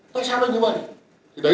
tại sao nó như vậy